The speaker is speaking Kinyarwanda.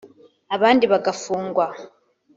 abandi bagafungwa